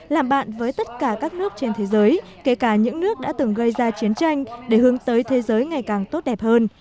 làm bạn với tất cả các nước trên thế giới kể cả những nước đã từng gây ra chiến tranh để hướng tới thế giới ngày càng tốt đẹp hơn